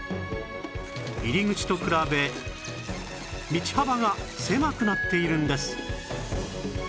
入り口と比べ道幅が狭くなっているんです